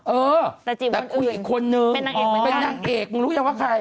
เออแต่คุยอีกคนนึงเป็นนางเอกเป็นนางเอกมึงรู้ยังว่าใคร